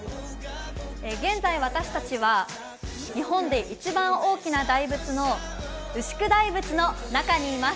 現在、私たちは日本で一番大きな大仏の牛久大仏の中にいます。